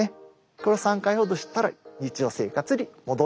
これを３回ほどしたら日常生活に戻っていくと。